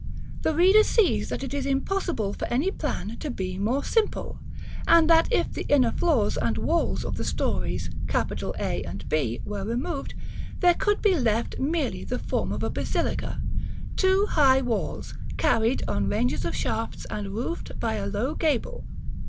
The reader sees that it is impossible for any plan to be more simple, and that if the inner floors and walls of the stories A, B were removed, there could be left merely the form of a basilica, two high walls, carried on ranges of shafts, and roofed by a low gable.